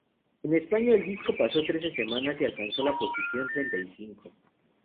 En España, el disco pasó trece semanas y alcanzó la posición treinta y cinco.